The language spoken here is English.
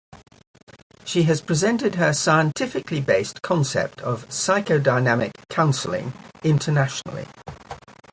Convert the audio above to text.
She has presented her scientifically based concept of psychodynamic counseling internationally.